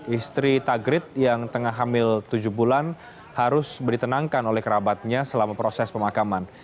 istri tagrid yang tengah hamil tujuh bulan harus ditenangkan oleh kerabatnya selama proses pemakaman